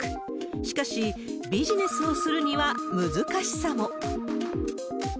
しかし、ビジネスをするには難しさも。